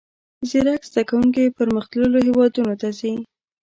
زیرک زده کوونکي پرمختللیو هیوادونو ته ځي.